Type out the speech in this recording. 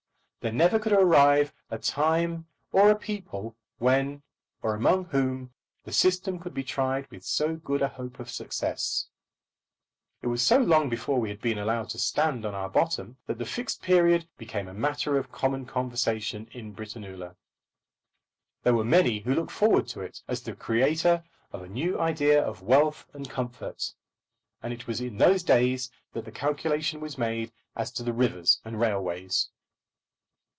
There never could arrive a time or a people when, or among whom, the system could be tried with so good a hope of success. It was so long before we had been allowed to stand on our bottom, that the Fixed Period became a matter of common conversation in Britannula. There were many who looked forward to it as the creator of a new idea of wealth and comfort; and it was in those days that the calculation was made as to the rivers and railways.